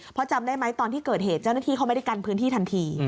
เพราะจำได้ไหมตอนที่เกิดเหตุเจ้าหน้าที่เขาไม่ได้กันพื้นที่ทันที